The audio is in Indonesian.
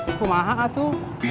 itu mahal kak